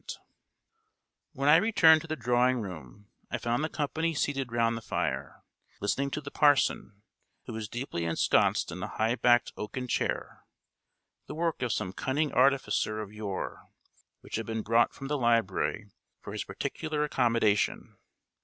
When I returned to the drawing room, I found the company seated round the fire, listening to the parson, who was deeply ensconced in a high backed oaken chair, the work of some cunning artificer of yore, which had been brought from the library for his particular accommodation.